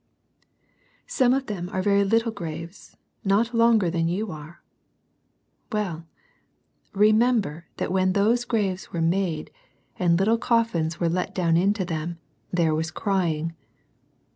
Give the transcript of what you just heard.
Some of them are very little graves, not longer than you are. Well ! remember that when those graves were made, and little coffins were let down into them, there was " crying."